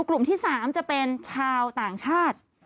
กลุ่มที่๓จะเป็นชาวต่างชาติ